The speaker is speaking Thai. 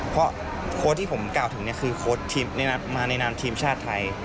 เพราะโค้ชที่ผมกล่าวถึงเนี่ยคือโค้ชทีมมาในนามทีมชาติไทย